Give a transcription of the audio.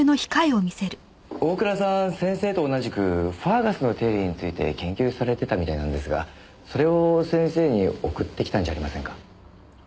大倉さん先生と同じくファーガスの定理について研究されてたみたいなんですがそれを先生に送ってきたんじゃありませんか？